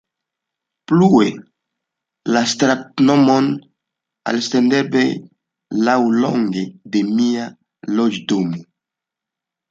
Plue, la stratnomon Alsenberger laŭlonge de mia loĝdomo.